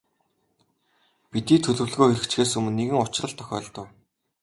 Бидний төлөвлөгөө хэрэгжихээс өмнө нэгэн учрал тохиолдов.